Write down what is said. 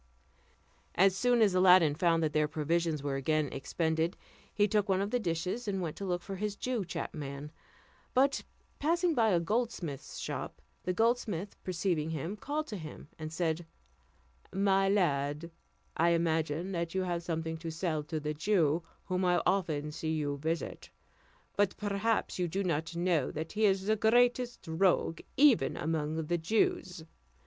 As soon as Aladdin found that their provisions were again expended, he took one of the dishes, and went to look for his Jew chapman; but passing by a goldsmith's shop, the goldsmith perceiving him, called to him, and said, "My lad, I imagine that you have something to sell to the Jew, whom I often see you visit; but perhaps you do not know that he is the greatest rogue even among the Jews.